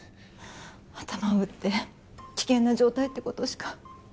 頭を打って危険な状態ってことしか。